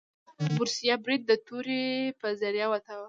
بوریس برید د تورې په ذریعه وتاوه.